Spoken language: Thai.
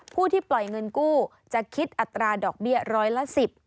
ผู้ที่ปล่อยเงินกู้จะคิดอัตราดอกเบี้ยร้อยละสิบ